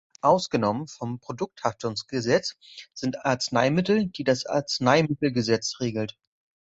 Ausgenommen vom Produkthaftungsgesetz sind Arzneimittel, die das Arzneimittelgesetz regelt.